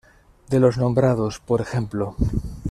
De los nombrados, por ej.